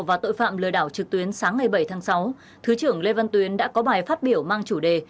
và tội phạm lừa đảo trực tuyến sáng ngày bảy tháng sáu thứ trưởng lê văn tuyến đã có bài phát biểu mang chủ đề